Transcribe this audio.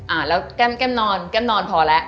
อ่าแล้วแก้มแก้มนอนแก้มนอนพอแล้ว